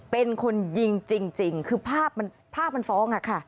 เป็นคนยิงจริงคือภาพมันฟ้องอะค่ะ